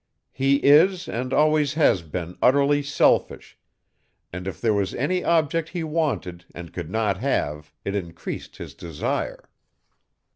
He is and always has been utterly selfish, and if there was any object he wanted and could not have it increased his desire."